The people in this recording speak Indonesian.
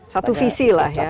satu visi lah ya